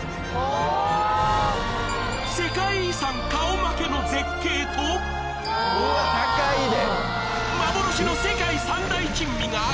世界遺産顔負けの絶景とうわーうわ高いで！